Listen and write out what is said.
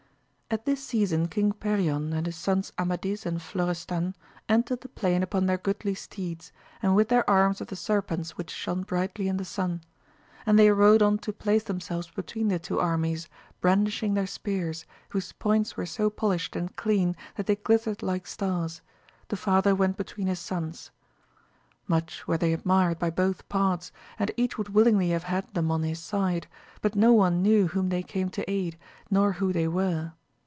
At this season King Perion, and his sons Amadis and Florestan, entered the plain upon their goodly steeds, and with their arms of the serpents which shone brightly in the sun ; and they rode on to place themselves between the two armies, brandishing their spears, whose points were so polished and clean that they glittered like stars ; the father went between his sons. Much were they admired by both parts, and each would willingly have had them on his side, but no one knew whom they came to aid, nor who they were.